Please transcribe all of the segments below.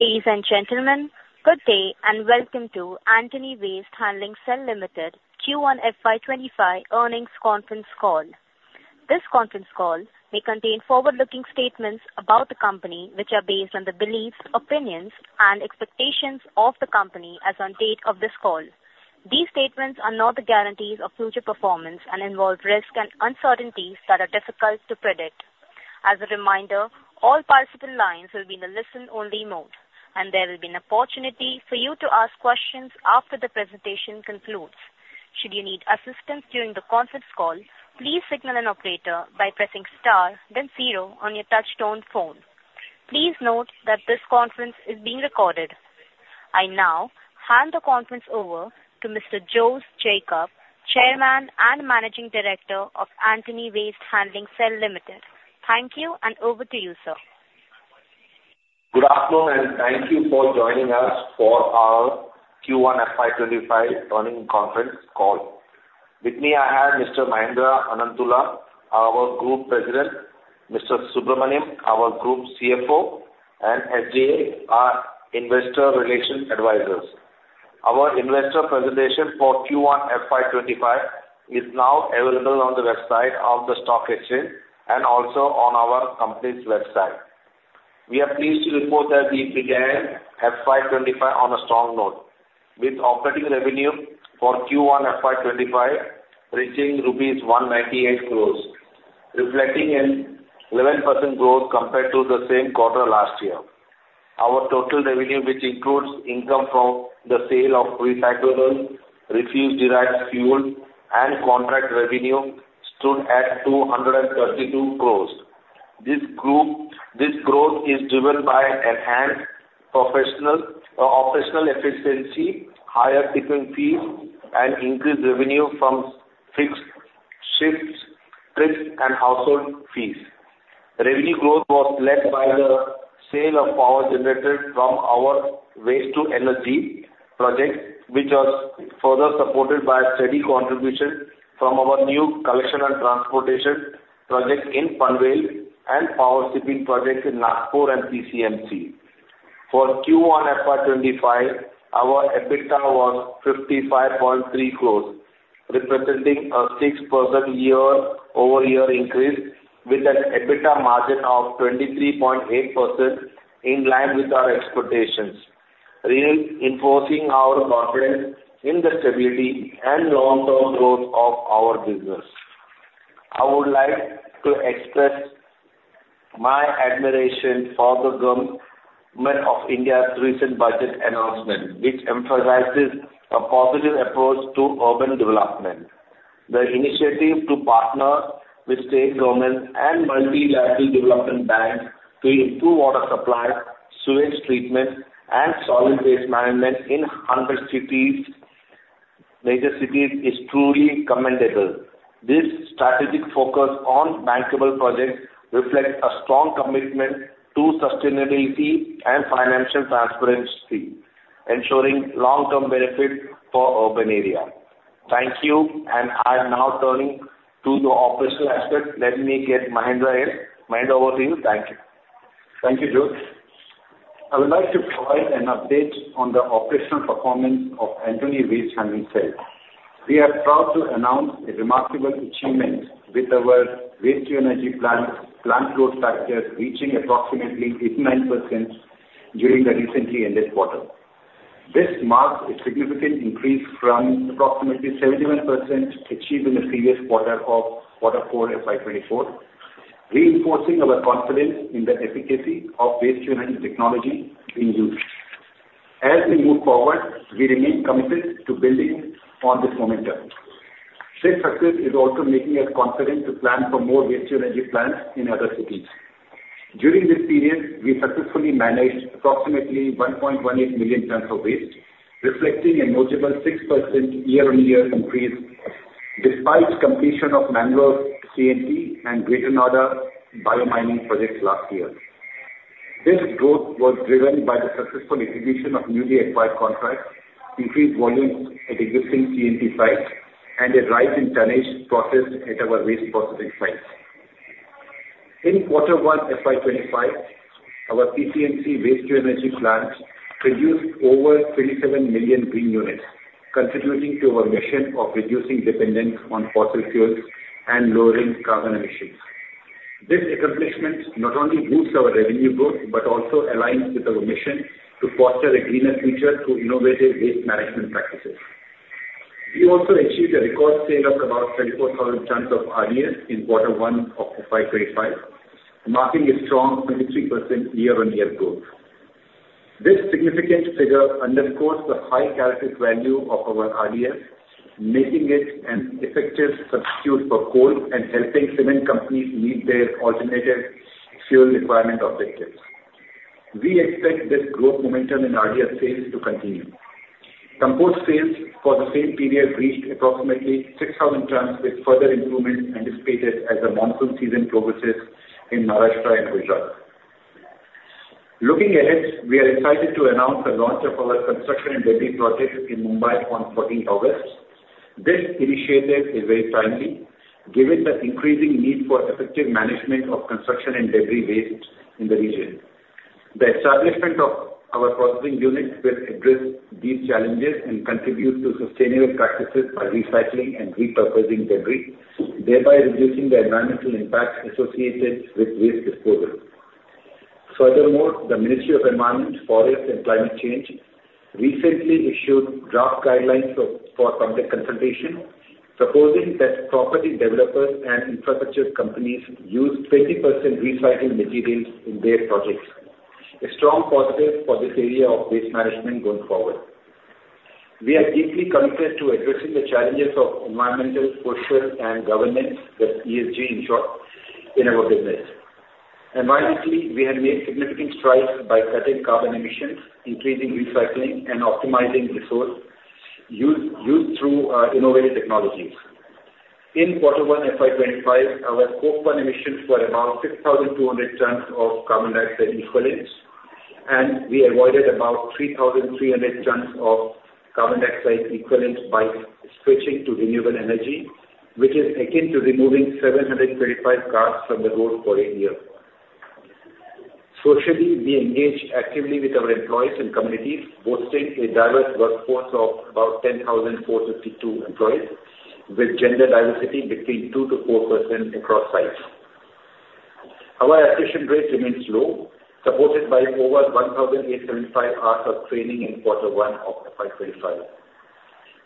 Ladies and gentlemen, good day, and welcome to Antony Waste Handling Cell Limited Q1 FY25 earnings conference call. This conference call may contain forward-looking statements about the company, which are based on the beliefs, opinions, and expectations of the company as on date of this call. These statements are not the guarantees of future performance and involve risks and uncertainties that are difficult to predict. As a reminder, all participant lines will be in a listen-only mode, and there will be an opportunity for you to ask questions after the presentation concludes. Should you need assistance during the conference call, please signal an operator by pressing star then zero on your touchtone phone. Please note that this conference is being recorded. I now hand the conference over to Mr. Jose Jacob, Chairman and Managing Director of Antony Waste Handling Cell Limited. Thank you, and over to you, sir. Goo d afternoon, and thank you for joining us for our Q1 FY 25 earning conference call. With me, I have Mr. Mahendra Ananttula, our Group President; Mr. Subramanian, our Group CFO; and SGA, our Investor Relations Advisors. Our investor presentation for Q1 FY 25 is now available on the website of the stock exchange and also on our company's website. We are pleased to report that we began FY 25 on a strong note with operating revenue for Q1 FY 25 reaching rupees 198 crores, reflecting an 11% growth compared to the same quarter last year. Our total revenue, which includes income from the sale of recyclables, refuse derived fuel, and contract revenue, stood at 232 crores. This growth is driven by enhanced professional, operational efficiency, higher tipping fees, and increased revenue from fixed shifts, trips, and household fees. Revenue growth was led by the sale of power generated from our waste-to-energy project, which was further supported by a steady contribution from our new collection and transportation projects in Panvel and Power Sweeping projects in Nagpur and PCMC. For Q1 FY25, our EBITDA was 55.3 crore, representing a 6% year-over-year increase with an EBITDA margin of 23.8%, in line with our expectations, reinforcing our confidence in the stability and long-term growth of our business. I would like to express my admiration for the Government of India's recent budget announcement, which emphasizes a positive approach to urban development. The initiative to partner with state governments and multilateral development banks to improve water supply, sewage treatment, and solid waste management in 100 cities, major cities, is truly commendable. This strategic focus on bankable projects reflects a strong commitment to sustainability and financial transparency, ensuring long-term benefit for urban areas. Thank you, and I'm now turning to the operational aspect. Let me get Mahendra in. Mahendra, over to you. Thank you. Thank you, Jose. I would like to provide an update on the operational performance of Antony Waste Handling Cell. We are proud to announce a remarkable achievement with our waste-to-energy plant, plant load factor reaching approximately 89% during the recently ended quarter. This marks a significant increase from approximately 71% achieved in the previous quarter of quarter four FY 2024, reinforcing our confidence in the efficacy of waste-to-energy technology in use. As we move forward, we remain committed to building on this momentum. This success is also making us confident to plan for more waste-to-energy plants in other cities. During this period, we successfully managed approximately 1.18 million tons of waste, reflecting a notable 6% year-on-year increase, despite completion of Mangalore, C&T, and Greater Noida bio-mining projects last year. This growth was driven by the successful execution of newly acquired contracts, increased volumes at existing C&T sites, and a rise in tonnage processed at our waste processing sites. In quarter 1, FY 25, our PCMC waste-to-energy plants produced over 37 million green units, contributing to our mission of reducing dependence on fossil fuels and lowering carbon emissions. This accomplishment not only boosts our revenue growth, but also aligns with our mission to foster a greener future through innovative waste management practices. We also achieved a record sale of about 34,000 tons of RDF in quarter 1 of FY 25, marking a strong 23% year-on-year growth. This significant figure underscores the high characteristic value of our RDF, making it an effective substitute for coal and helping cement companies meet their alternative fuel requirement objectives. We expect this growth momentum in RDF sales to continue. Compost sales for the same period reached approximately 6,000 tons, with further improvement anticipated as the monsoon season progresses in Maharashtra and Gujarat. Looking ahead, we are excited to announce the launch of our construction and debris project in Mumbai on 14th August. This initiative is very timely, given the increasing need for effective management of construction and debris waste in the region. The establishment of our processing units will address these challenges and contribute to sustainable practices by recycling and repurposing debris, thereby reducing the environmental impact associated with waste disposal. Furthermore, the Ministry of Environment, Forest and Climate Change recently issued draft guidelines for public consultation, proposing that property developers and infrastructure companies use 20% recycled materials in their projects. A strong positive for this area of waste management going forward. We are deeply committed to addressing the challenges of environmental, social, and governance, the ESG, in short, in our business. Environmentally, we have made significant strides by cutting carbon emissions, increasing recycling, and optimizing resource use through innovative technologies. In quarter 1 FY 2025, our Scope 1 emissions were about 6,200 tons of carbon dioxide equivalents, and we avoided about 3,300 tons of carbon dioxide equivalents by switching to renewable energy, which is akin to removing 735 cars from the road for a year. Socially, we engage actively with our employees and communities, boasting a diverse workforce of about 10,452 employees, with gender diversity between 2%-4% across sites. Our attrition rate remains low, supported by over 1,875 hours of training in quarter 1 of FY 2025.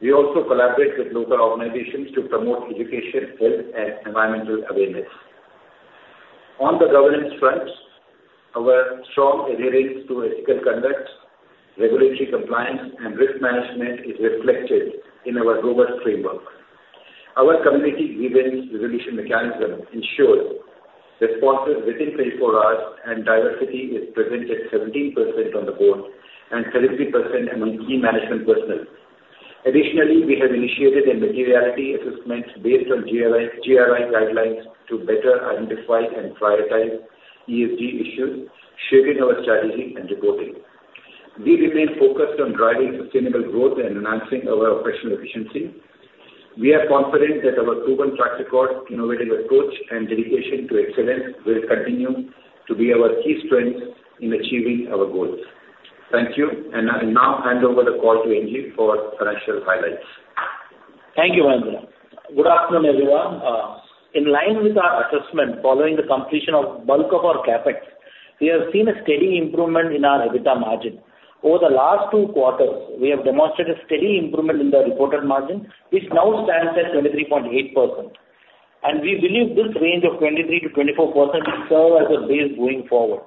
We also collaborate with local organizations to promote education, health, and environmental awareness. On the governance front, our strong adherence to ethical conduct, regulatory compliance, and risk management is reflected in our robust framework. Our committee driven resolution mechanism ensures responses within 24 hours, and diversity is present at 17% on the board and 30% among key management personnel. Additionally, we have initiated a materiality assessment based on GRI guidelines to better identify and prioritize ESG issues, shaping our strategy and reporting. We remain focused on driving sustainable growth and enhancing our operational efficiency. We are confident that our proven track record, innovative approach, and dedication to excellence will continue to be our key strengths in achieving our goals. Thank you. I will now hand over the call to N.G. Subramanian for financial highlights. Thank you, Mahendra. Good afternoon, everyone. In line with our assessment, following the completion of bulk of our CapEx, we have seen a steady improvement in our EBITDA margin. Over the last two quarters, we have demonstrated a steady improvement in the reported margin, which now stands at 23.8%, and we believe this range of 23%-24% will serve as a base going forward.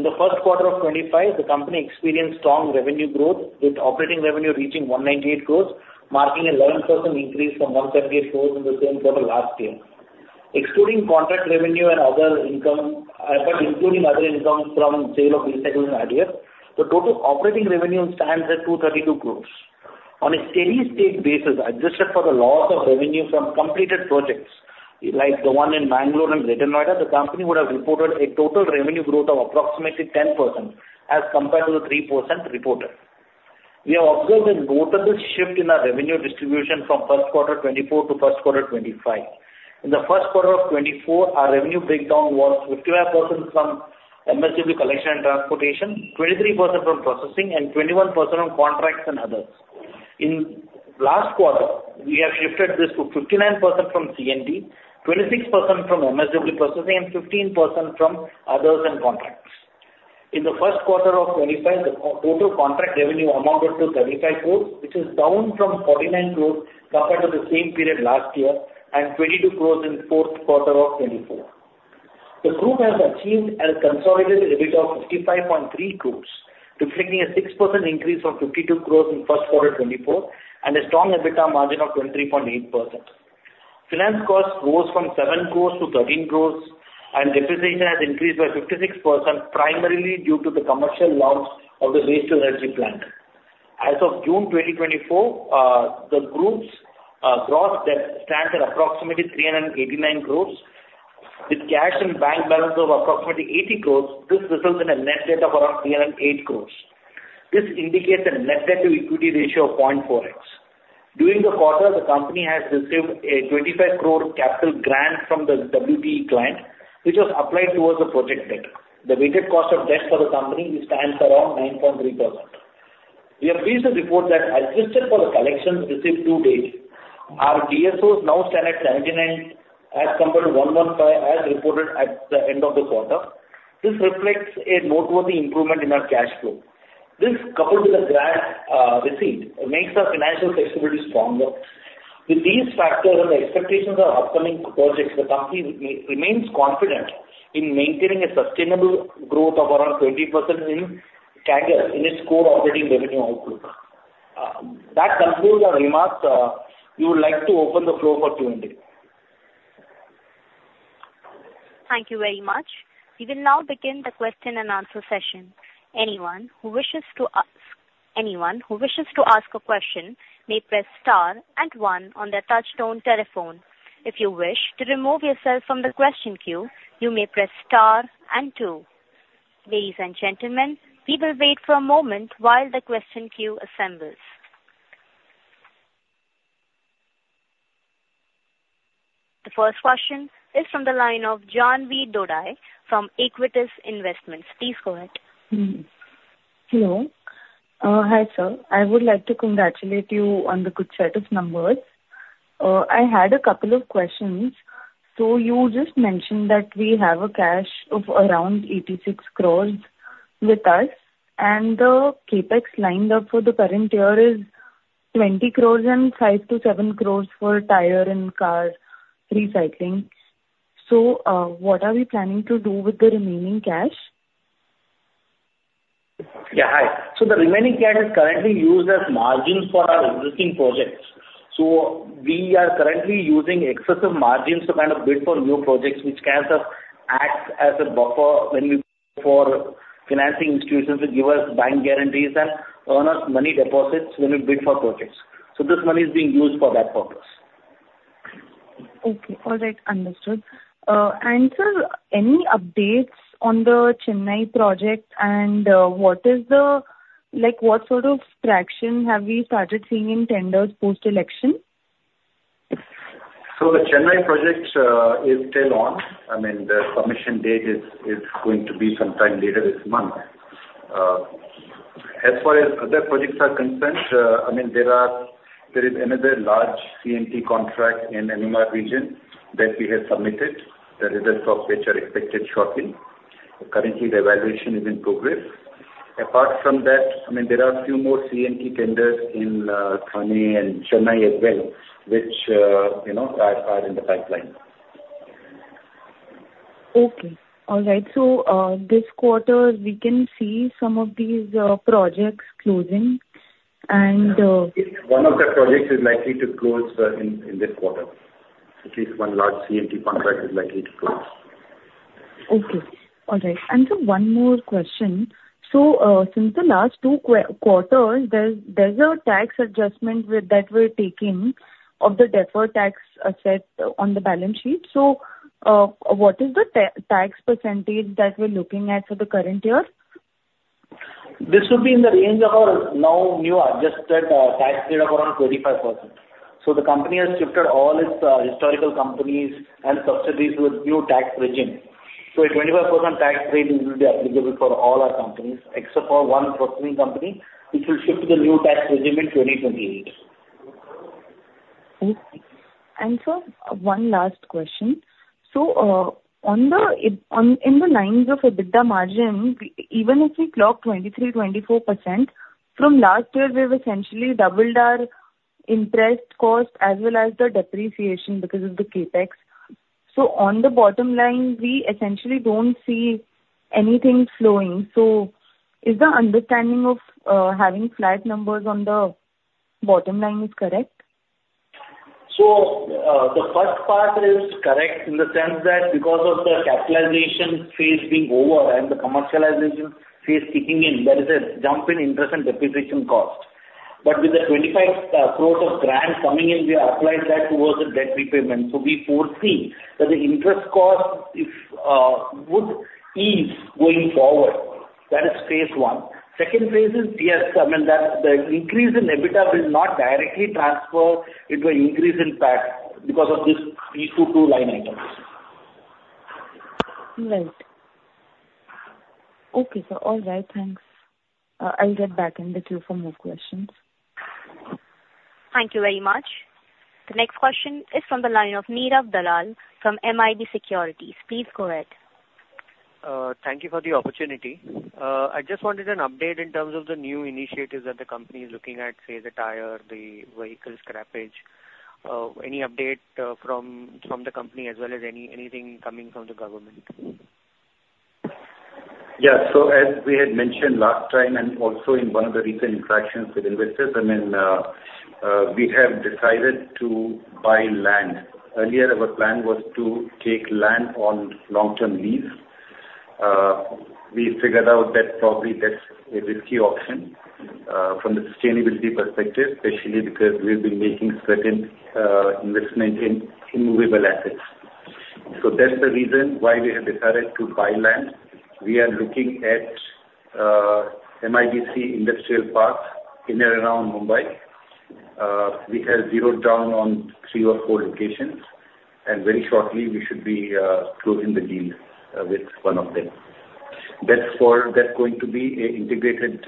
In the first quarter of 2025, the company experienced strong revenue growth, with operating revenue reaching 198 crores, marking 11% increase from 178 crores in the same quarter last year. Excluding contract revenue and other income, but including other income from sale of recyclables earlier, the total operating revenue stands at 232 crores. On a steady-state basis, adjusted for the loss of revenue from completed projects like the one in Mangalore and Greater Noida, the company would have reported a total revenue growth of approximately 10% as compared to the 3% reported. We have observed a notable shift in our revenue distribution from first quarter 2024 to first quarter 2025. In the first quarter of 2024, our revenue breakdown was 55% from MSW collection and transportation, 23% from processing, and 21% from contracts and others. In last quarter, we have shifted this to 59% from C&D, 26% from MSW processing, and 15% from others and contracts. In the first quarter of 2025, the total contract revenue amounted to 35 crore, which is down from 49 crore compared to the same period last year and 22 crore in the fourth quarter of 2024. The group has achieved a consolidated EBITDA of 55.3 crore, reflecting a 6% increase from 52 crore in first quarter 2024, and a strong EBITDA margin of 23.8%. Finance cost rose from 7 crore to 13 crore, and depreciation has increased by 56%, primarily due to the commercial launch of the waste-to-energy plant. As of June 2024, the group's gross debt stands at approximately 389 crore, with cash and bank balance of approximately 80 crore. This results in a net debt of around 308 crore. This indicates a net debt to equity ratio of 0.4x. During the quarter, the company has received a 25 crore capital grant from the WTE client, which was applied towards the project debt. The weighted cost of debt for the company stands around 9.3%. We are pleased to report that adjusted for the collections received to date, our DSOs now stand at 79 as compared to 115, as spoken at the end of the quarter. This reflects a noteworthy improvement in our cash flow. This, coupled with the grant received, makes our financial flexibility stronger. With these factors and the expectations of upcoming projects, the company remains confident in maintaining a sustainable growth of around 20% in CAGR in its core operating revenue outlook. That concludes our remarks. We would like to open the floor for Q&A. Thank you very much. We will now begin the question-and-answer session. Anyone who wishes to ask a question may press star and one on their touchtone telephone. If you wish to remove yourself from the question queue, you may press star and two.... Ladies and gentlemen, we will wait for a moment while the question queue assembles. The first question is from the line of Jhanvi Shah from Equirus Securities. Please go ahead. Hello. Hi, sir. I would like to congratulate you on the good set of numbers. I had a couple of questions. So you just mentioned that we have cash of around 86 crore with us, and the CapEx lined up for the current year is 20 crore and 5-7 crore for tire and car recycling. So, what are we planning to do with the remaining cash? Yeah, hi. So the remaining cash is currently used as margins for our existing projects. So we are currently using excessive margins to kind of bid for new projects, which kind of acts as a buffer when we for financing institutions to give us bank guarantees and earn us money deposits when we bid for projects. So this money is being used for that purpose. Okay. All right. Understood. And sir, any updates on the Chennai project, and what is the, like what sort of traction have we started seeing in tenders post-election? So the Chennai project is still on. I mean, the commission date is going to be sometime later this month. As far as other projects are concerned, I mean, there are, there is another large C&T contract in MMR region that we have submitted. The results of which are expected shortly. Currently, the evaluation is in progress. Apart from that, I mean, there are a few more C&T tenders in Thane and Chennai as well, which you know are in the pipeline. Okay. All right. So, this quarter we can see some of these projects closing, and, One of the projects is likely to close in this quarter. At least one large C&T contract is likely to close. Okay. All right. Sir, one more question: so, since the last two quarters, there's a tax adjustment that we're taking of the deferred tax asset on the balance sheet. So, what is the tax percentage that we're looking at for the current year? This would be in the range of our now new adjusted tax rate of around 25%. So the company has shifted all its historical companies and subsidiaries with new tax regime. So a 25% tax rate will be applicable for all our companies, except for one forthcoming company, which will shift to the new tax regime in 2028. Okay. And sir, one last question: so, on the lines of EBITDA margin, even if we clock 23%-24%, from last year, we've essentially doubled our interest cost as well as the depreciation because of the CapEx. So on the bottom line, we essentially don't see anything flowing. So is the understanding of having flat numbers on the bottom line correct? The first part is correct in the sense that because of the capitalization phase being over and the commercialization phase kicking in, there is a jump in interest and depreciation cost. But with the 25 crore of grant coming in, we applied that towards the debt repayment. So we foresee that the interest cost would ease going forward. That is phase one. Second phase is, yes, I mean, the increase in EBITDA will not directly transfer into an increase in PAT because of these two line items. Right. Okay, sir. All right, thanks. I'll get back in the queue for more questions. Thank you very much. The next question is from the line of Nirav Dalal from Maybank Investment Banking Group. Please go ahead. Thank you for the opportunity. I just wanted an update in terms of the new initiatives that the company is looking at, say, the tire, the vehicle scrappage. Any update from the company as well as anything coming from the government? Yeah. So as we had mentioned last time, and also in one of the recent interactions with investors, I mean, we have decided to buy land. Earlier, our plan was to take land on long-term lease. We figured out that probably that's a risky option, from the sustainability perspective, especially because we've been making certain, investment in immovable assets. So that's the reason why we have decided to buy land. We are looking at, MIDC Industrial Park in and around Mumbai. We have zeroed down on three or four locations, and very shortly, we should be, closing the deal, with one of them. That's for... That's going to be a integrated,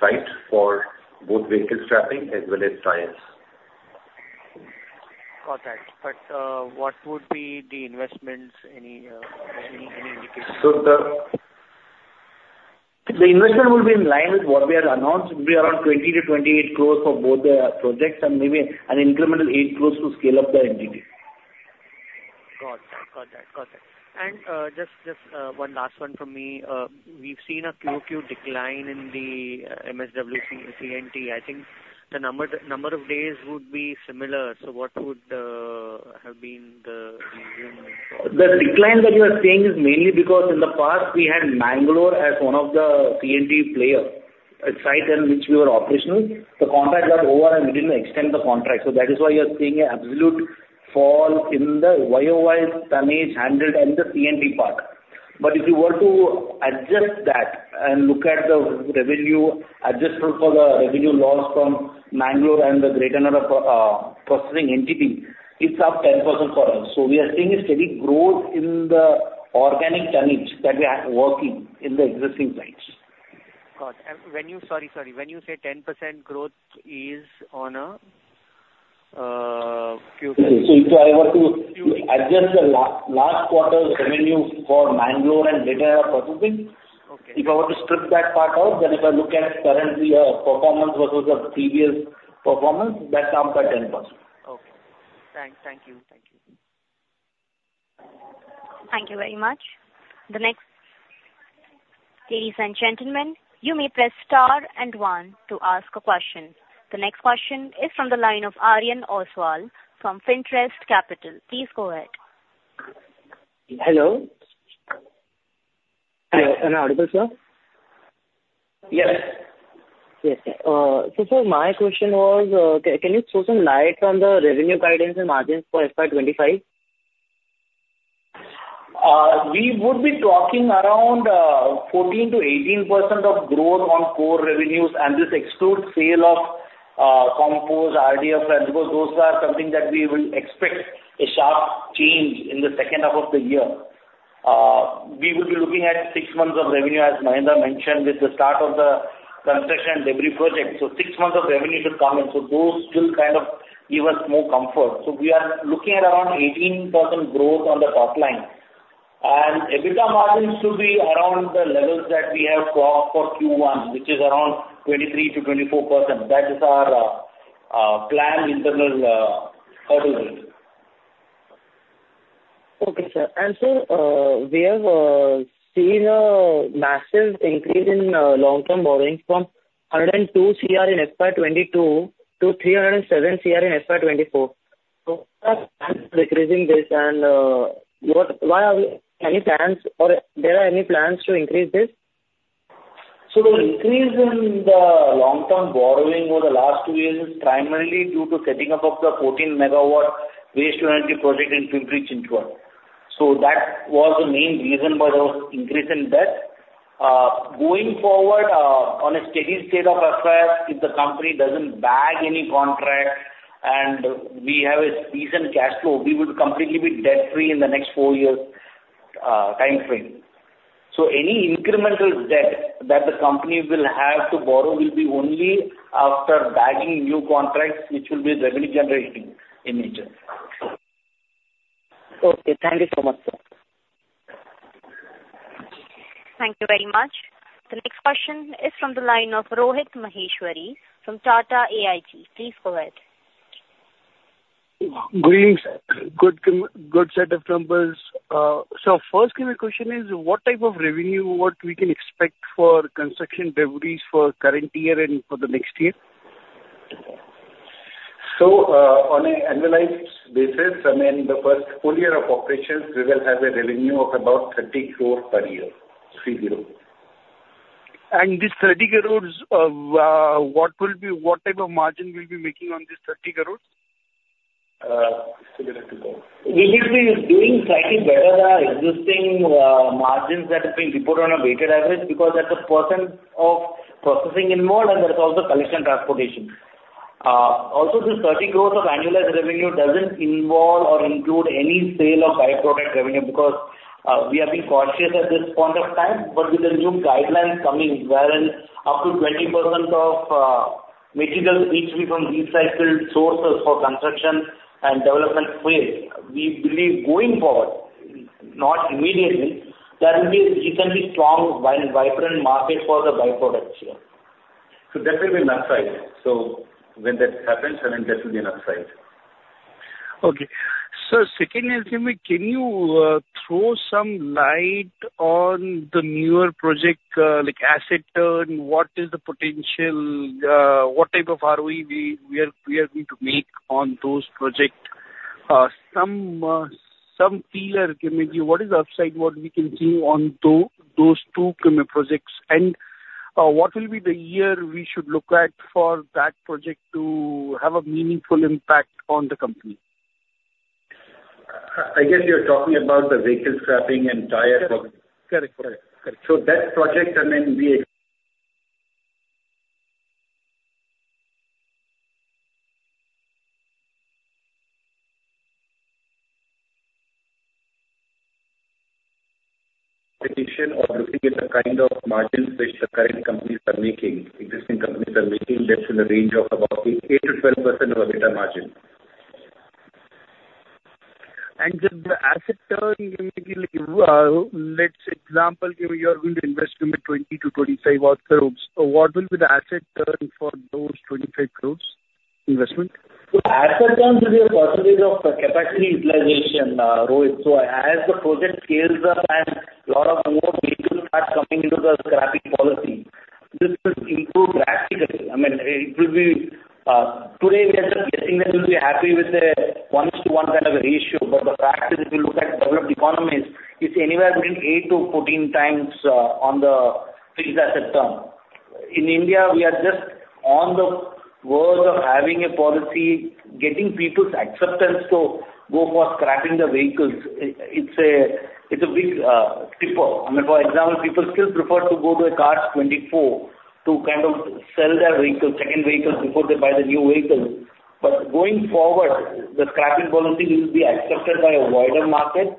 site for both vehicle scrapping as well as tires. Got that. But, what would be the investments? Any indication? The investment will be in line with what we have announced, it'll be around 20-28 crores for both the projects and maybe an incremental 8 crores to scale up the entity. Gotcha. Got that. Got that. Just, just, one last one from me. We've seen a QOQ decline in the MSW and CNT. I think the number, number of days would be similar, so what would have been the reason for it? The decline that you are seeing is mainly because in the past, we had Bangalore as one of the C&T player, a site in which we were operational, the contract got over and we didn't extend the contract. So that is why you are seeing an absolute fall in the YOY tonnage handled and the C&T part. But if you were to adjust that and look at the revenue adjusted for the revenue loss from Bangalore and the Greater Noida processing entity, it's up 10% for us. So we are seeing a steady growth in the organic tonnage that we are working in the existing sites. Got it. And when you-- Sorry, sorry. When you say 10% growth is on a Q- So if I were to adjust the last quarter's revenue for Bangalore and Greater Noida processing. Okay. If I were to strip that part out, then if I look at currently, performance versus the previous performance, that's up by 10%. Okay. Thanks. Thank you. Thank you. Thank you very much. The next... Ladies and gentlemen, you may press star and one to ask a question. The next question is from the line of Aryan OswaL l, from Fintrust Capital. Please go ahead. Hello? Hello, am I audible, sir? Yes. Yes. So, sir, my question was, can you throw some light on the revenue guidance and margins for FY 25? We would be talking around 14%-18% of growth on core revenues, and this excludes sale of compost, RDF, because those are something that we will expect a sharp change in the second half of the year. We will be looking at six months of revenue, as Mahendra mentioned, with the start of the construction delivery project. So six months of revenue should come in, so those will kind of give us more comfort. So we are looking at around 18% growth on the top line, and EBITDA margins should be around the levels that we have got for Q1, which is around 23%-24%. That is our planned internal target range. Okay, sir. And sir, we have seen a massive increase in long-term borrowings from 102 crore in FY 2022 to 307 crore in FY 2024. So what are the plans for decreasing this, and what, why are we, any plans or there are any plans to increase this? So the increase in the long-term borrowing over the last 2 years is primarily due to setting up of the 14-megawatt waste-to-energy project in Pimpri-Chinchwad. So that was the main reason for those increase in debt. Going forward, on a steady state of affairs, if the company doesn't bag any contract and we have a decent cash flow, we would completely be debt-free in the next 4 years, time frame. So any incremental debt that the company will have to borrow will be only after bagging new contracts, which will be revenue-generating in nature. Okay, thank you so much, sir. Thank you very much. The next question is from the line of Rohit Maheshwari from Tata AIG. Please go ahead. Greetings. Good set of numbers. So first kind of question is what type of revenue, what we can expect for construction revenues for current year and for the next year? So, on an annualized basis, I mean, the first full year of operations, we will have a revenue of about 30 crore per year, figure over. This 30 crore, what will be, what type of margin we'll be making on this 30 crore? We will be doing slightly better than our existing margins that have been reported on a weighted average, because that's a portion of processing involved, and there's also collection transportation. Also, this 30 crore of annualized revenue doesn't involve or include any sale of by-product revenue, because we have been cautious at this point of time. But with the new guidelines coming, wherein up to 20% of materials needs to be from recycled sources for construction and development phase, we believe going forward, not immediately, there will be a decently strong vibrant market for the by-products here. So that will be an upside. So when that happens, I mean, that will be an upside. Okay. So secondly, can you throw some light on the newer project, like asset turn? What is the potential, what type of ROE we are going to make on those project? Some feel or maybe what is the upside, what we can do on those two projects? And, what will be the year we should look at for that project to have a meaningful impact on the company? I guess you're talking about the vehicle scrapping and tire project. Correct, correct. So that project, I mean, we are looking at the kind of margins which the current companies are making, existing companies are making. That's in the range of about 8%-12% EBITDA margin. The asset turn, let's say, example, you are going to invest in 20-25 crores. So what will be the asset turn for those 25 crores investment? Asset turnover will be a percentage of the capacity utilization, Rohit. So as the project scales up and a lot of more vehicles start coming into the scrapping policy, this will improve drastically. I mean, today, we are just guessing that we'll be happy with a 1-to-1 kind of a ratio, but the fact is if you look at developed economies, it's anywhere between 8-14 times on the fixed asset term. In India, we are just on the verge of having a policy, getting people's acceptance to go for scrapping the vehicles. It's a big trigger. I mean, for example, people still prefer to go to a Cars24 to kind of sell their vehicle, second vehicle, before they buy the new vehicle. Going forward, the scrapping policy will be accepted by a wider market,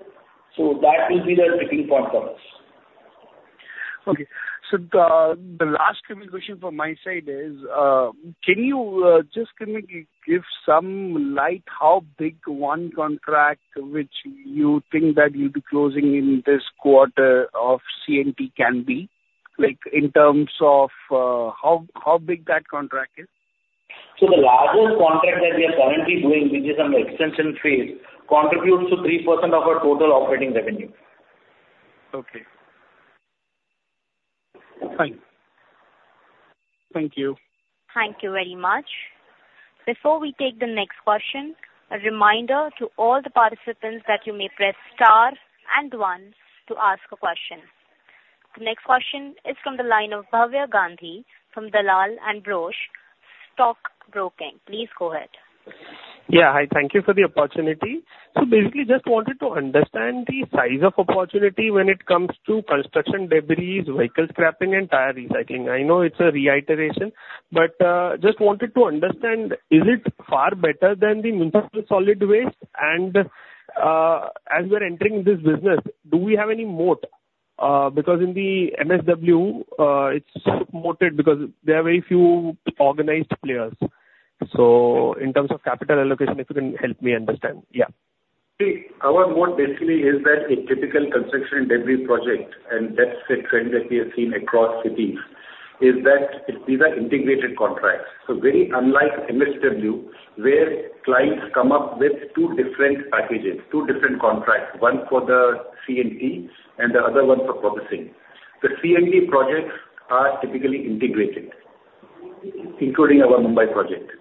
so that will be the tipping point for us. Okay. So the last question from my side is, can you just kind of give some light how big one contract which you think that you'll be closing in this quarter of C&D can be? Like, in terms of, how big that contract is. The largest contract that we are currently doing, which is on the extension phase, contributes to 3% of our total operating revenue. Okay. Fine. Thank you. Thank you very much. Before we take the next question, a reminder to all the participants that you may press Star and One to ask a question. The next question is from the line of Bhavya Gandhi from Dalal & Broacha Stock Broking. Please go ahead. Yeah, hi. Thank you for the opportunity. So basically, just wanted to understand the size of opportunity when it comes to construction debris, vehicle scrapping, and tire recycling. I know it's a reiteration, but just wanted to understand, is it far better than the municipal solid waste? And, as we're entering this business, do we have any moat? Because in the MSW, it's so moated because there are very few organized players. So in terms of capital allocation, if you can help me understand. Yeah. See, our moat basically is that a typical construction debris project, and that's a trend that we have seen across cities, is that these are integrated contracts. So very unlike MSW, where clients come up with two different packages, two different contracts, one for the C&D and the other one for processing. The C&D projects are typically integrated, including our Mumbai project.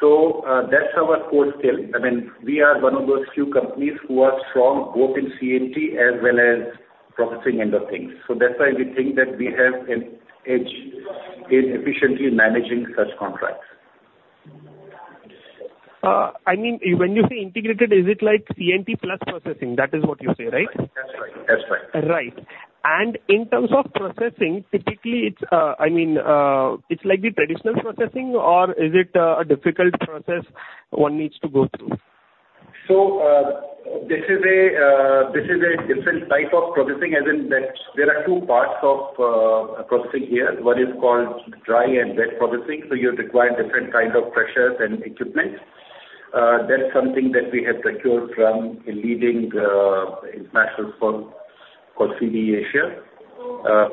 So, that's our core skill. I mean, we are one of those few companies who are strong both in C&D as well as processing end of things. So that's why we think that we have an edge in efficiently managing such contracts. I mean, when you say integrated, is it like C&D plus processing? That is what you say, right? That's right. That's right. Right. And in terms of processing, typically, it's, I mean, it's like the traditional processing, or is it a difficult process one needs to go through? So, this is a, this is a different type of processing, as in that there are two parts of, processing here. One is called dry and wet processing, so you require different kind of pressures and equipment. That's something that we have procured from a leading, international firm called CDE Asia,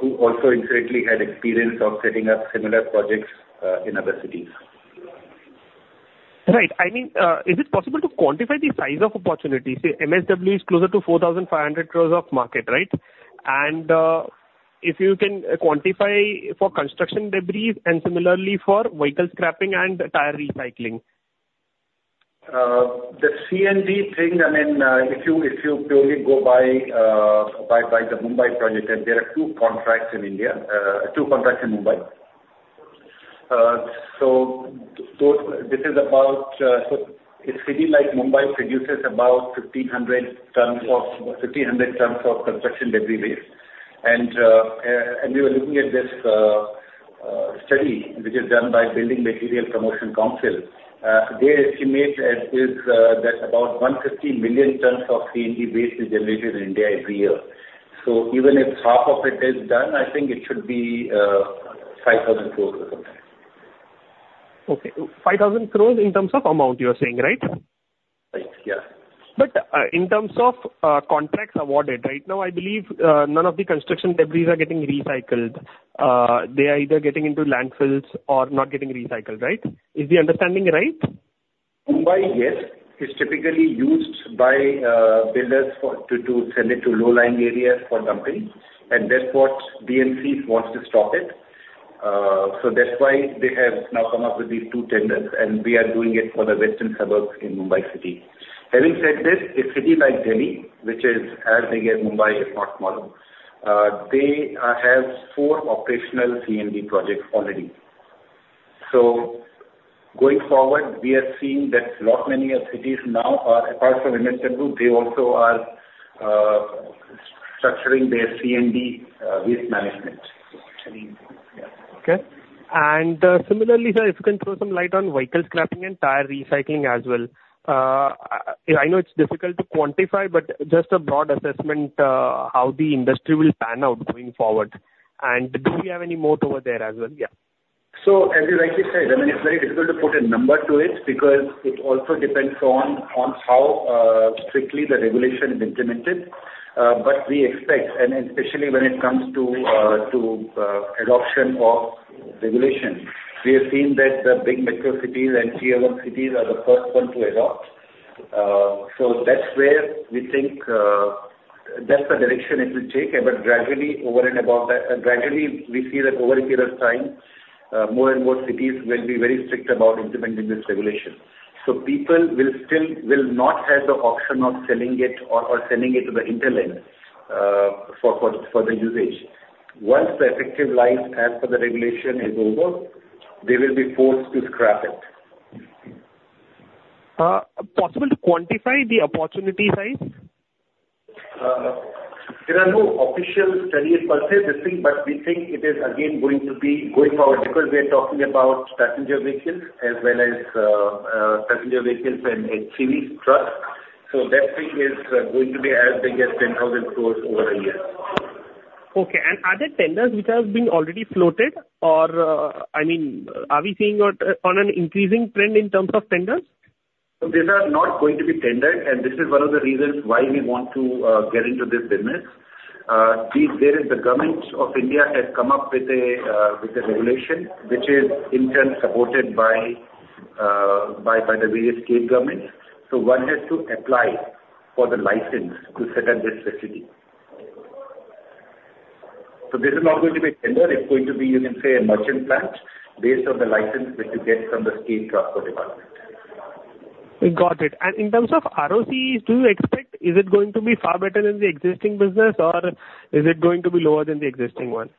who also incidentally had experience of setting up similar projects, in other cities. Right. I mean, is it possible to quantify the size of opportunity? Say, MSW is closer to 4,500 crore of market, right? And, if you can quantify for construction debris and similarly for vehicle scrapping and tire recycling. The C&D thing, I mean, if you, if you purely go by the Mumbai project, and there are two contracts in India, two contracts in Mumbai. So this is about. So a city like Mumbai produces about 1,500 tons of construction debris waste. And we were looking at this study, which is done by Building Materials & Technology Promotion Council, they estimate as is that about 150 million tons of C&D waste is generated in India every year. So even if half of it is done, I think it should be 5,000 crore or something. Okay. 5,000 crore in terms of amount, you are saying, right? Right. Yeah. In terms of contracts awarded, right now, I believe none of the construction debris are getting recycled. They are either getting into landfills or not getting recycled, right? Is the understanding right? Mumbai, yes, is typically used by builders for to send it to low-lying areas for dumping, and that's what BMC wants to stop it. So that's why they have now come up with these two tenders, and we are doing it for the western suburbs in Mumbai City. Having said this, a city like Delhi, which is as big as Mumbai, if not more, they have four operational C&D projects already. So going forward, we are seeing that lot many cities now are, apart from MSW, they also are structuring their C&D waste management. I mean, yeah. Okay. And, similarly, sir, if you can throw some light on vehicle scrapping and tire recycling as well. I know it's difficult to quantify, but just a broad assessment, how the industry will pan out going forward. And do we have any moat over there as well? Yeah. So, as you rightly said, I mean, it's very difficult to put a number to it, because it also depends on how strictly the regulation is implemented. But we expect, and especially when it comes to adoption of regulation, we have seen that the big metro cities and Tier One cities are the first one to adopt. So that's where we think that's the direction it will take, but gradually, over and above that, gradually, we see that over a period of time, more and more cities will be very strict about implementing this regulation. So people will not have the option of selling it or selling it to the intermediate for the usage. Once the effective life as per the regulation is over, they will be forced to scrap it. Possible to quantify the opportunity size? There are no official studies per se, this thing, but we think it is again going to be going forward, because we are talking about passenger vehicles as well as, passenger vehicles and heavy trucks. So that thing is going to be as big as 10,000 crore over a year. Okay. And are there tenders which have been already floated? Or, I mean, are we seeing on an increasing trend in terms of tenders? These are not going to be tendered, and this is one of the reasons why we want to get into this business. There is the Government of India has come up with a regulation which is in turn supported by the various state governments. So one has to apply for the license to set up this facility. So this is not going to be tender. It's going to be, you can say, a merchant plant based on the license which you get from the State Transport Department. Got it. In terms of ROCEs, do you expect, is it going to be far better than the existing business, or is it going to be lower than the existing one?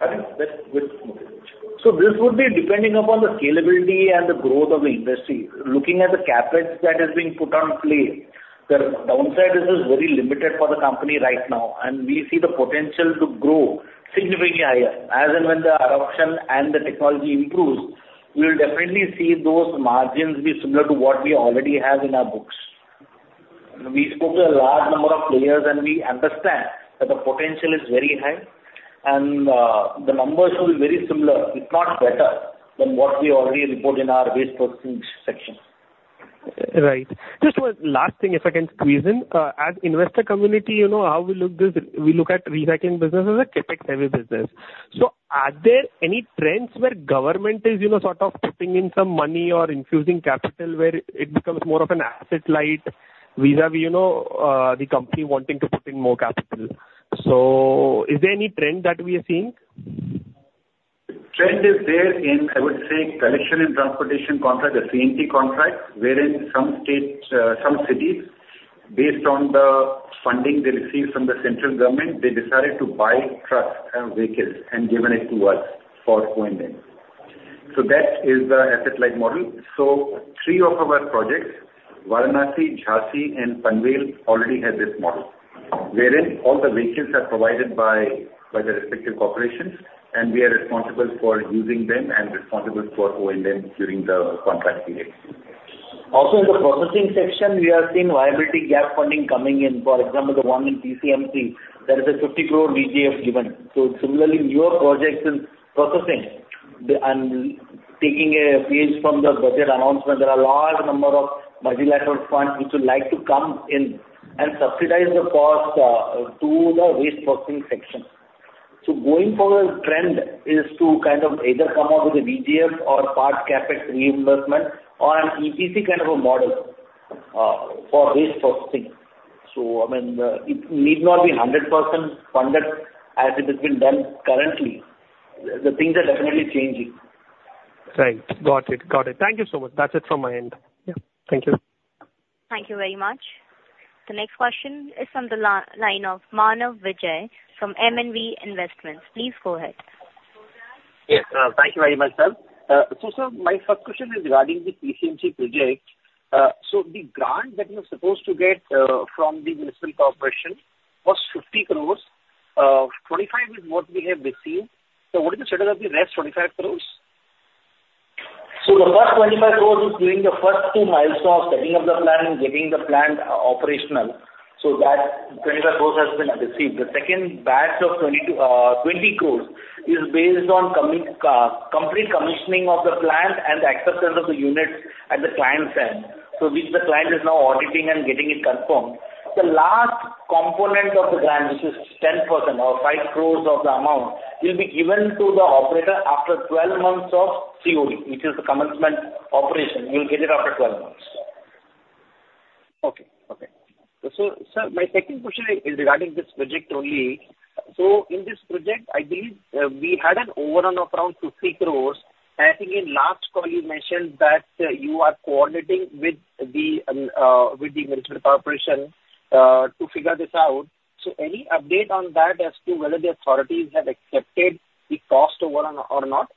I think that's good. So this would be depending upon the scalability and the growth of the industry. Looking at the CapEx that is being put on play, the downside is very limited for the company right now, and we see the potential to grow significantly higher. As and when the adoption and the technology improves, we will definitely see those margins be similar to what we already have in our books. We spoke to a large number of players, and we understand that the potential is very high and, the numbers will be very similar, if not better, than what we already report in our waste processing section. Right. Just one last thing, if I can squeeze in. As investor community, you know, how we look this, we look at recycling business as a CapEx-heavy business. So are there any trends where government is, you know, sort of putting in some money or infusing capital, where it becomes more of an asset-light vis-a-vis, you know, the company wanting to put in more capital? So is there any trend that we are seeing? Trend is there in, I would say, collection and transportation contract, the CNT contracts, wherein some states, some cities, based on the funding they received from the central government, they decided to buy trucks and vehicles and given it to us for going in. So that is the asset-light model. So three of our projects, Varanasi, Jhansi, and Panvel, already have this model, wherein all the vehicles are provided by, by the respective corporations, and we are responsible for using them and responsible for owning them during the contract period. Also, in the processing section, we are seeing viability gap funding coming in, for example, the one in PCMC, there is a 50 crore VGF given. So similarly, newer projects in processing and taking a page from the budget announcement, there are large number of multilateral funds which would like to come in and subsidize the cost to the waste processing section. So going forward, trend is to kind of either come up with a VGF or part CapEx reimbursement or an EPC kind of a model for waste processing. So, I mean, it need not be 100% funded as it is being done currently. The things are definitely changing. Right. Got it. Got it. Thank you so much. That's it from my end. Yeah. Thank you. Thank you very much. The next question is from the line of Manav Vijay from M&V Investments. Please go ahead. Yes, thank you very much, sir. So sir, my first question is regarding the PCMC project. So the grant that you were supposed to get, from the municipal corporation was 50 crore, 25 is what we have received. So what is the status of the rest 25 crore? So the first 25 crore is during the first two milestones, setting up the plant and getting the plant operational. So that 25 crore has been received. The second batch of 22, 20 crore, is based on complete commissioning of the plant and the acceptance of the units at the client's end, so which the client is now auditing and getting it confirmed. The last component of the grant, which is 10% or 5 crore of the amount, will be given to the operator after 12 months of COD, which is the commencement operation. You'll get it after 12 months. Okay, okay. So, sir, my second question is regarding this project only. So in this project, I believe, we had an overrun of around 50 crore. I think in last call you mentioned that, you are coordinating with the, with the municipal corporation, to figure this out. So any update on that as to whether the authorities have accepted the cost overrun or not?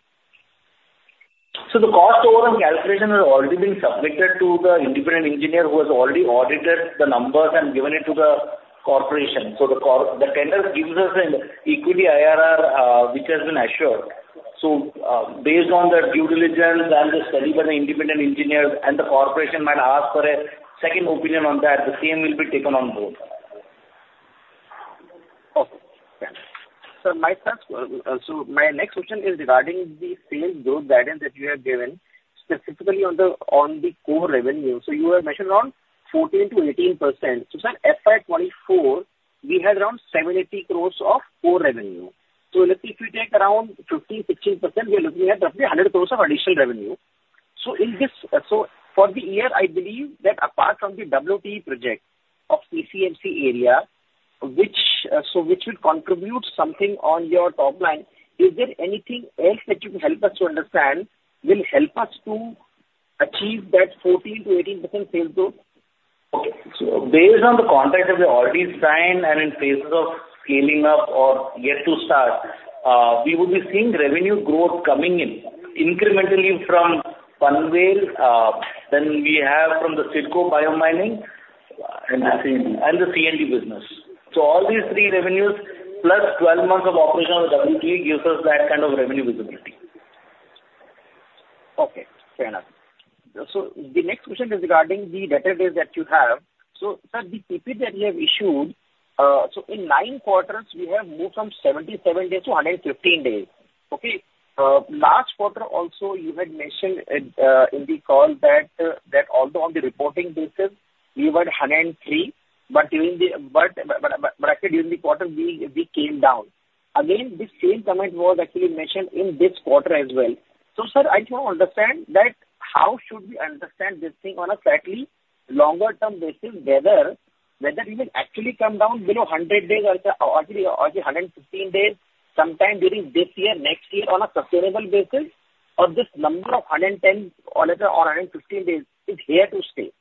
So the cost overrun calculation has already been submitted to the independent engineer, who has already audited the numbers and given it to the corporation. So the tender gives us an equity IRR, which has been assured. So, based on the due diligence and the study by the independent engineers, and the corporation might ask for a second opinion on that, the same will be taken on board. Okay, thanks. Sir, my first, so my next question is regarding the same growth guidance that you have given, specifically on the core revenue. So you were mentioning 14%-18%. So, sir, FY 2024, we had around 780 crores of core revenue. So if you take around 15%, we are looking at roughly 100 crores of additional revenue. So in this, so for the year, I believe that apart from the WTE project of PCMC area, which will contribute something to your top line, is there anything else that you can help us to understand that will help us to achieve that 14%-18% sales growth? Okay. So based on the contracts that we've already signed and in phases of scaling up or yet to start, we would be seeing revenue growth coming in incrementally from Panvel, then we have from the CIDCO bio-mining- And C&D. The C&D business. All these three revenues, plus 12 months of operation on WTE, gives us that kind of revenue visibility. Okay, fair enough. So the next question is regarding the debtor days that you have. So, sir, the PPT that we have issued, so in 9 quarters, we have moved from 77 days to 115 days. Okay, last quarter also, you had mentioned in the call that although on the reporting basis, we were at 103, but actually, during the quarter, we came down. Again, this same comment was actually mentioned in this quarter as well. Sir, I just want to understand that how should we understand this thing on a slightly longer term basis, whether, whether it will actually come down below 100 days or actually, or 115 days, sometime during this year, next year on a sustainable basis, or this number of 110 or 115 days is here to stay?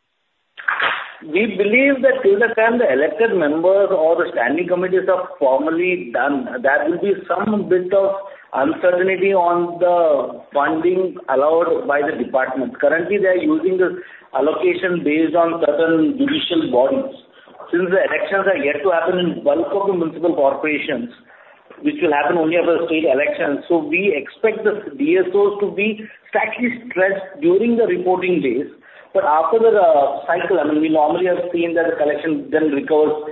We believe that till the time the elected members or the standing committees are formally done, there will be some bit of uncertainty on the funding allowed by the department. Currently, they are using the allocation based on certain judicial bodies. Since the elections are yet to happen in bulk of the municipal corporations, which will happen only after the state elections, so we expect the DSO to be slightly stretched during the reporting days. But after the cycle, I mean, we normally have seen that the collection then recovers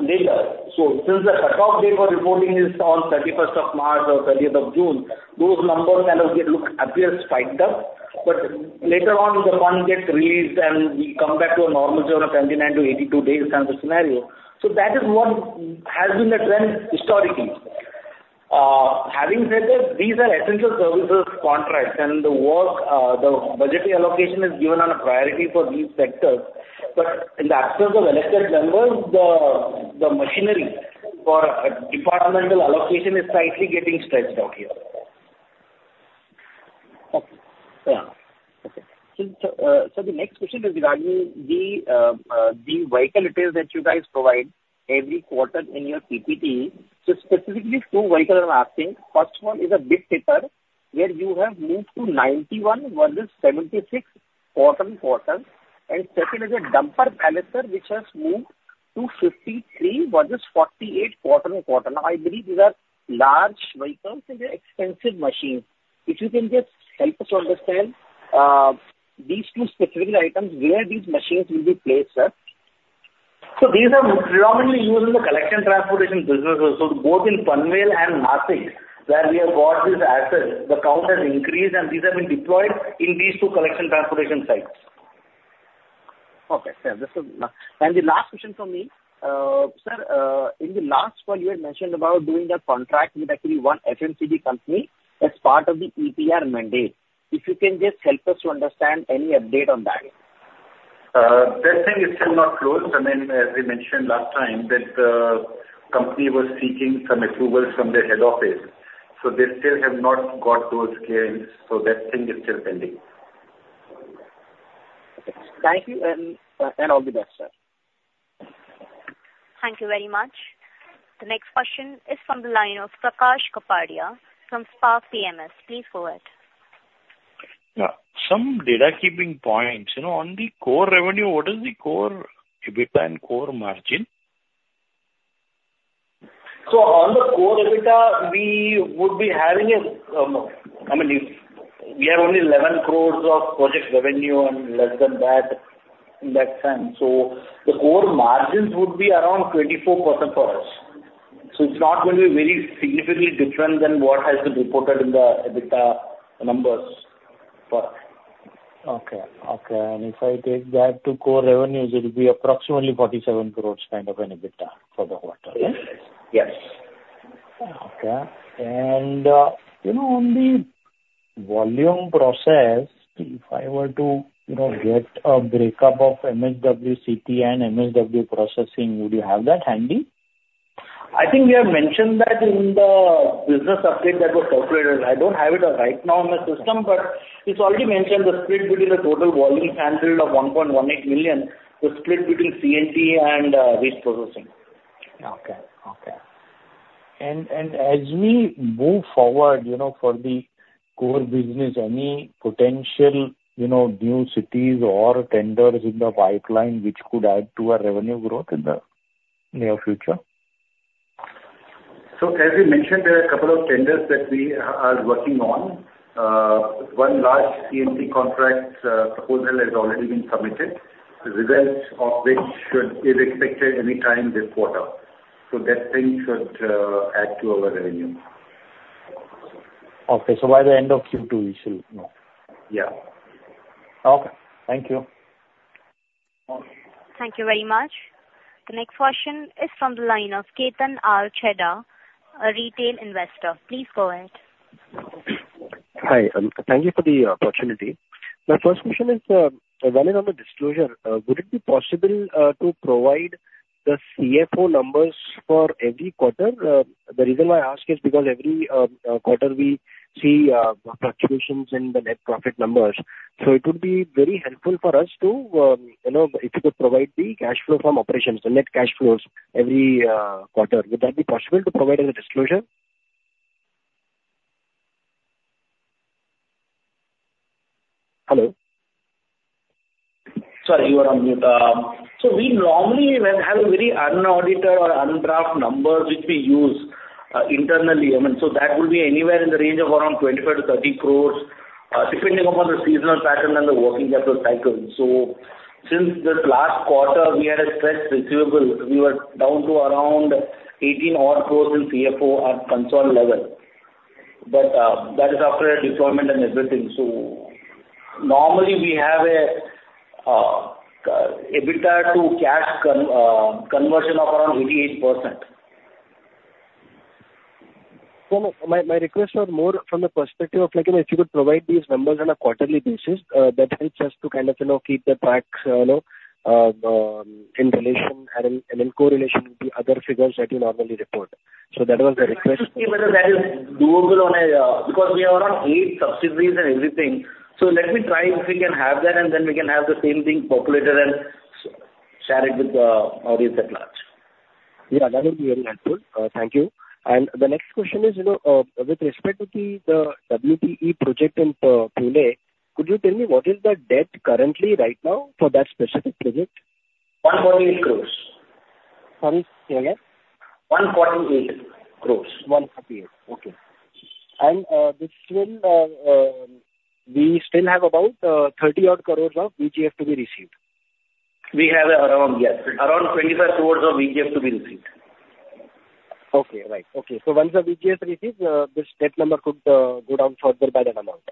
later. So since the cut-off date for reporting is on thirty-first of March or thirtieth of June, those numbers kind of get look, appear spiked up, but later on, the funds get released, and we come back to a normal zone of 79-82 days kind of a scenario. So that is what has been the trend historically. Having said that, these are essential services contracts, and the work, the budgetary allocation is given on a priority for these sectors, but in the absence of elected members, the machinery for departmental allocation is slightly getting stretched out here. Okay. Fair enough. Okay. So, the next question is regarding the vehicle details that you guys provide every quarter in your PPT. So specifically, two vehicles I'm asking: First one is a bin tipper, where you have moved to 91 versus 76 quarter-on-quarter, and second is a dumper placer, which has moved to 53 versus 48 quarter-on-quarter. Now, I believe these are large vehicles and they're expensive machines. If you can just help us understand these two specific items, where these machines will be placed at? So these are predominantly used in the collection transportation businesses. So both in Panvel and Nashik, where we have got these assets, the count has increased, and these have been deployed in these two collection transportation sites. Okay, sir. This is the last question from me. Sir, in the last call, you had mentioned about doing a contract with actually one FMCG company as part of the EPR mandate. If you can just help us to understand any update on that? That thing is still not closed. I mean, as we mentioned last time, that the company was seeking some approvals from their head office. So they still have not got those clearance, so that thing is still pending. Thank you, and all the best, sir. Thank you very much. The next question is from the line of Prakash Kapadia from Spark Capital. Please go ahead. Yeah, some data keeping points. You know, on the core revenue, what is the core EBITDA and core margin? So on the core EBITDA, we would be having a, I mean, if we have only 11 crore of project revenue and less than that in that sense, so the core margins would be around 24% for us. So it's not going to be very significantly different than what has been reported in the EBITDA numbers for us. Okay, okay. And if I take that to core revenues, it will be approximately 47 crore kind of an EBITDA for the quarter, yes? Yes. Okay. And, you know, on the volume process, if I were to, you know, get a breakup of MSWCT and MSW processing, would you have that handy? I think we have mentioned that in the business update that was circulated. I don't have it right now in the system, but it's already mentioned the split between the total volume handled of 1.18 million, the split between CNT and waste processing. Okay, okay. And as we move forward, you know, for the core business, any potential, you know, new cities or tenders in the pipeline, which could add to our revenue growth in the near future? So, as we mentioned, there are a couple of tenders that we are working on. One large C&T contract proposal has already been submitted, the results of which should be expected any time this quarter. So that thing should add to our revenue. ...Okay, so by the end of Q2, we should know? Yeah. Okay. Thank you. Thank you very much. The next question is from the line of Ketan R. Chheda, a retail investor. Please go ahead. Hi, thank you for the opportunity. My first question is, one is on the disclosure. Would it be possible to provide the CFO numbers for every quarter? The reason why I ask is because every quarter we see fluctuations in the net profit numbers. So it would be very helpful for us to, you know, if you could provide the cash flow from operations, the net cash flows every quarter. Would that be possible to provide as a disclosure? Hello? Sorry, you were on mute. So we normally have a very unaudited or undraft number, which we use internally, I mean. So that would be anywhere in the range of around 25-30 crore, depending upon the seasonal pattern and the working capital cycle. So since this last quarter, we had a stretched receivable, we were down to around 18 odd crore in CFO at consolidated level. But that is after a deployment and everything. So normally, we have a EBITDA to cash conversion of around 88%. So my, my request was more from the perspective of, like, you know, if you could provide these numbers on a quarterly basis, that helps us to kind of, you know, keep the tracks, you know, in relation and in, and in correlation with the other figures that you normally report. So that was the request. Let me see whether that is doable on a. Because we have around eight subsidiaries and everything. So let me try, if we can have that, and then we can have the same thing populated and share it with the audience at large. Yeah, that would be very helpful. Thank you. And the next question is, you know, with respect to the, the WTE project in, Pune, could you tell me what is the debt currently right now for that specific project? 1.8 crore. Sorry, say again. 1.8 crore 148. Okay. And this will, we still have about 30-odd crore of VGF to be received. We have around, yes, around 25 crore of VGF to be received. Okay. Right. Okay. So once the VGF received, this debt number could go down further by that amount?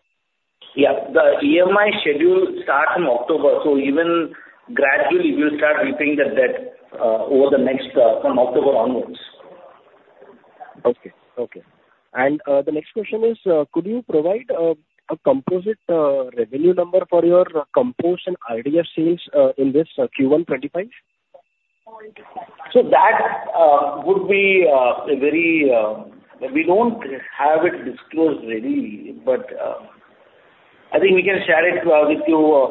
Yeah. The EMI schedule starts in October, so even gradually we'll start repaying the debt, over the next, from October onwards. Okay, okay. And the next question is, could you provide a composite revenue number for your compost and RDF sales in this Q1 2025? So that would be a very... We don't have it disclosed really, but I think we can share it with you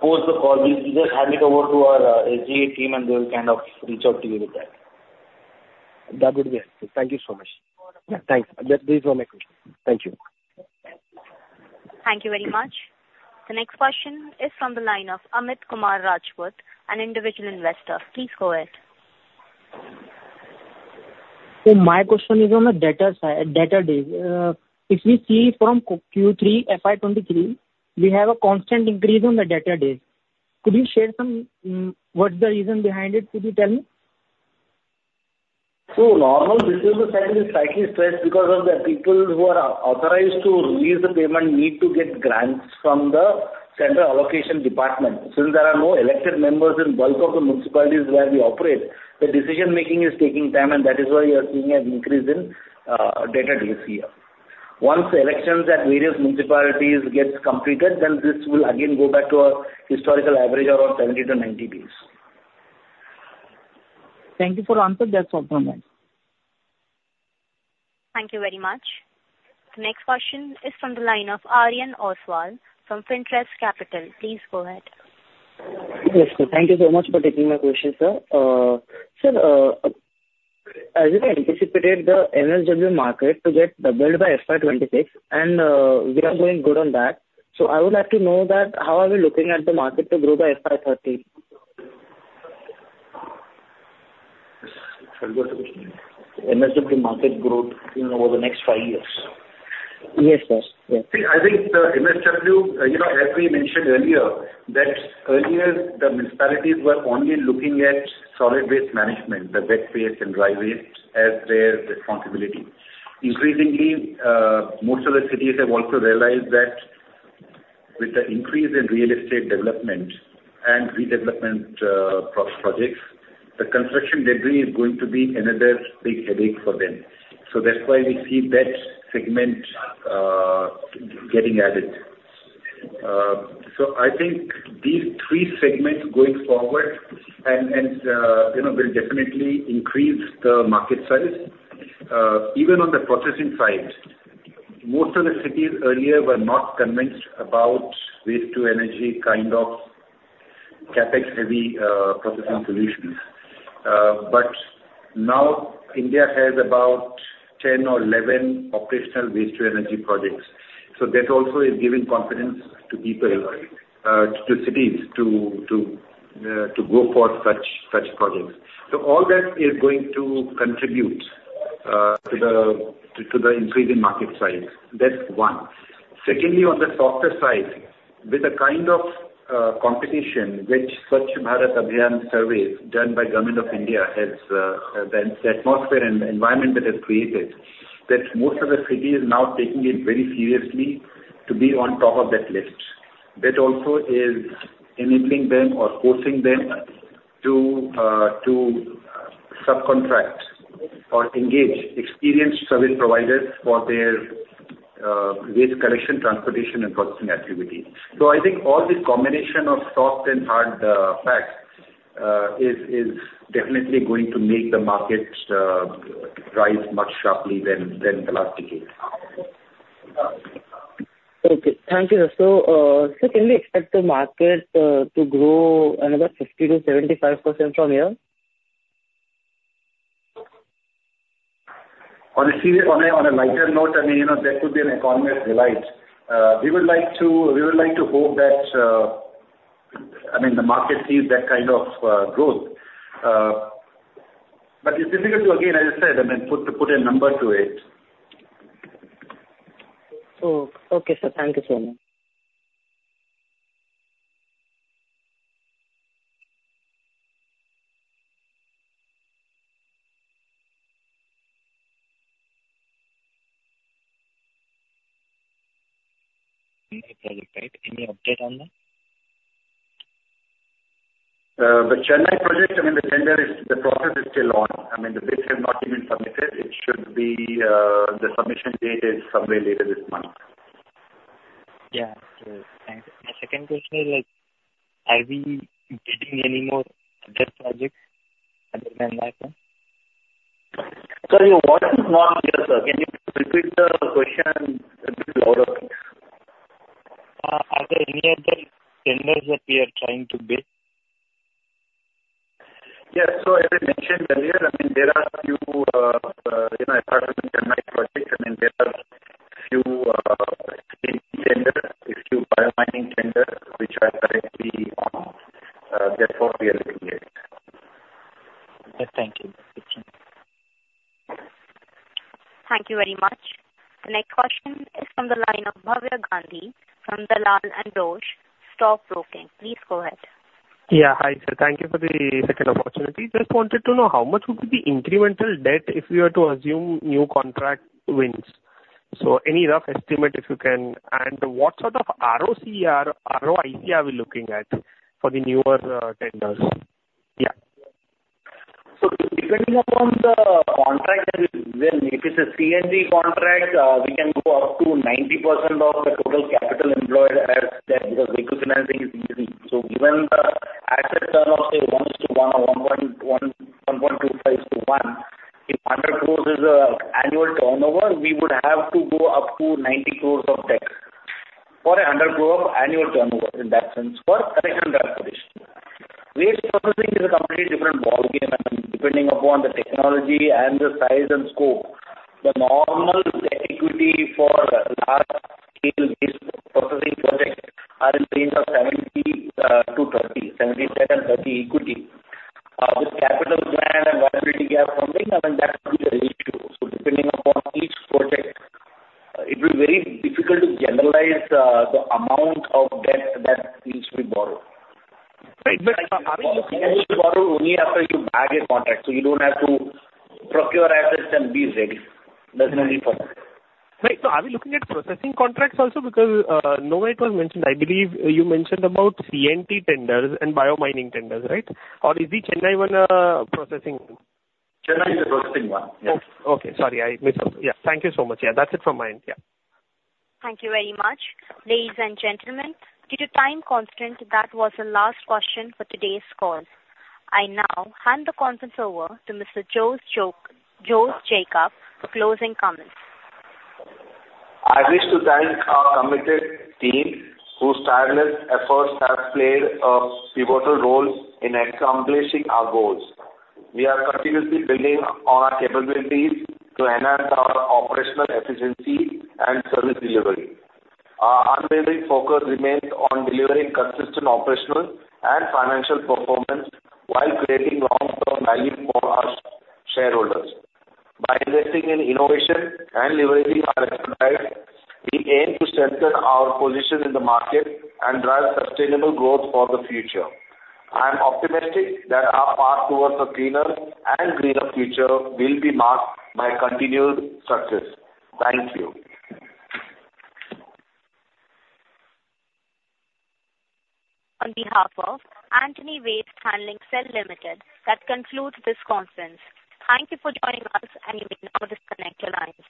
post the call. We'll just hand it over to our GA team, and they'll kind of reach out to you with that. That would be helpful. Thank you so much. Yeah, thanks. These were my questions. Thank you. Thank you very much. The next question is from the line of Amit Kumar Rajput, an individual investor. Please go ahead. So my question is on the debtor side, debtor days. If we see from Q3 FY 2023, we have a constant increase on the debtor days. Could you share some, what's the reason behind it? Could you tell me? Normal business side is slightly stressed because of the people who are authorized to release the payment need to get grants from the central allocation department. Since there are no elected members in bulk of the municipalities where we operate, the decision-making is taking time, and that is why you are seeing an increase in debtor days here. Once the elections at various municipalities gets completed, then this will again go back to our historical average, around 70-90 days. Thank you for answer. That's all from me. Thank you very much. The next question is from the line of Aryan Oswal, from Fintrust Capital. Please go ahead. Yes. Thank you so much for taking my question, sir. So, as you anticipated, the MSW market to get doubled by FY 26, and, we are doing good on that. So I would like to know that, how are we looking at the market to grow by FY 30? Sorry, what was the question? MSW market growth over the next five years. Yes, sir. Yes. See, I think the MSW, you know, as we mentioned earlier, that earlier the municipalities were only looking at solid waste management, the wet waste and dry waste, as their responsibility. Increasingly, most of the cities have also realized that with the increase in real estate development and redevelopment, projects, the construction debris is going to be another big headache for them. So that's why we see that segment, getting added. So I think these three segments going forward and, you know, will definitely increase the market size. Even on the processing side, most of the cities earlier were not convinced about Waste-to-Energy kind of CapEx-heavy, processing solutions. But now India has about 10 or 11 operational Waste-to-Energy projects. So that also is giving confidence to people, to cities to go for such projects. So all that is going to contribute to the increase in market size. That's one.... Secondly, on the softer side, with the kind of competition which Swachh Bharat Abhiyan surveys done by Government of India has, the atmosphere and the environment that has created, that most of the city is now taking it very seriously to be on top of that list. That also is enabling them or forcing them to subcontract or engage experienced service providers for their waste collection, transportation, and processing activities. So I think all this combination of soft and hard facts is definitely going to make the market rise much sharply than the last decade. Okay. Thank you, sir. So, so can we expect the market to grow another 50%-75% from here? On a lighter note, I mean, you know, that could be an economist's delight. We would like to hope that, I mean, the market sees that kind of growth. But it's difficult to, again, as I said, I mean, put a number to it. Oh, okay, sir. Thank you so much. Chennai project, right? Any update on that? The Chennai project, I mean, the tender is, the process is still on. I mean, the bids have not been submitted. It should be, the submission date is somewhere later this month. Yeah. Okay, thank you. My second question is, are we getting any more of that project other than that one? Sorry, your voice is not clear, sir. Can you repeat the question a little louder, please? Are there any other tenders that we are trying to bid? Yes. So as I mentioned earlier, I mean, there are a few, you know, apart from the Chennai project, I mean, there are a few, few tenders, a few bio-mining tenders, which are currently, that's what we are looking at. Okay, thank you. Thank you very much. The next question is from the line of Bhavya Gandhi from Dalal & Broacha Stock Broking. Please go ahead. Yeah. Hi, sir. Thank you for the second opportunity. Just wanted to know how much would be the incremental debt if we were to assume new contract wins? So any rough estimate, if you can, and what sort of ROCE or ROIC are we looking at for the newer, tenders? Yeah. Depending upon the contract that is win, if it's a C&T contract, we can go up to 90% of the total capital employed as debt because vehicle financing is easy. So given the asset turnover, say, 1 to 1 or 1.1, 1.25 to 1, if 100 crore is annual turnover, we would have to go up to 90 crore of debt for a 100 crore of annual turnover in that sense for collection transportation. Waste processing is a completely different ballgame. I mean, depending upon the technology and the size and scope, the normal equity for large-scale waste processing projects are in range of 70 to 30, 70-30 equity. With capital plan and viability gap funding, I mean, that could be an issue. Depending upon each project, it will be very difficult to generalize the amount of debt that needs to be borrowed. Right, but are we looking at- You borrow only after you bag a contract, so you don't have to procure assets and be ready. That's only for that. Right. So are we looking at processing contracts also? Because, nowhere it was mentioned. I believe you mentioned about C&T tenders and bio-mining tenders, right? Or is the Chennai one a processing? Chennai is a processing one, yes. Okay. Okay. Sorry, I missed that. Yeah. Thank you so much. Yeah, that's it from my end. Yeah. Thank you very much. Ladies and gentlemen, due to time constraint, that was the last question for today's call. I now hand the conference over to Mr. Jose Jacob for closing comments. I wish to thank our committed team, whose tireless efforts have played a pivotal role in accomplishing our goals. We are continuously building on our capabilities to enhance our operational efficiency and service delivery. Our unwavering focus remains on delivering consistent operational and financial performance while creating long-term value for our shareholders. By investing in innovation and leveraging our expertise, we aim to strengthen our position in the market and drive sustainable growth for the future. I'm optimistic that our path towards a cleaner and greener future will be marked by continued success. Thank you. On behalf of Antony Waste Handling Cell Limited, that concludes this conference. Thank you for joining us, and you may now disconnect your lines.